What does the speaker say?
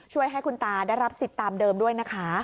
ช่วยให้คุณตาได้รับสิทธิ์ตามเดิมด้วยนะคะ